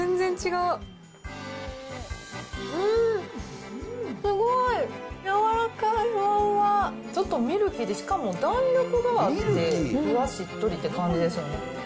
うーん、すごい、柔らかい、ふわちょっとミルキーで、しかも弾力があって、ふわしっとりっていう感じですよね。